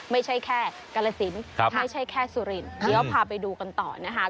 ไม่ใช่แค่กาลสินไม่ใช่แค่สุรินทร์เดี๋ยวพาไปดูกันต่อนะคะ